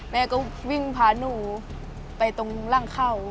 แม่ก็วิ่งพาหนูไปตรงร่างเข้า